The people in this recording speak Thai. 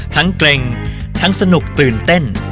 เกร็งทั้งสนุกตื่นเต้น